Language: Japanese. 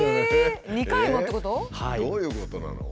どういうことなの？